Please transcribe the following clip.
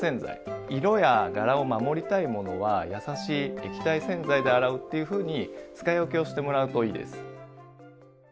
色や柄を守りたいものはやさしい液体洗剤で洗うっていうふうに使い分けをしてもらうといいです。